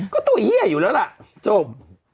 ก็ตัวเอี้ยอยู่แล้วล่ะจบ